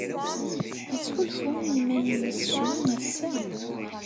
Yettḥulfu i yiman-nnes ccwi ass-a?